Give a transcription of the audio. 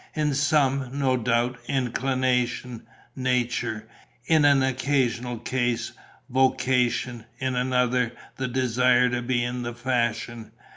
In some, no doubt, inclination, nature; in an occasional case, vocation; in another, the desire to be in the fashion.